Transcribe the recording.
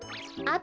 あ？